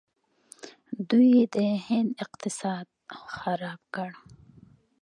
دوی د هند اقتصاد خراب کړ.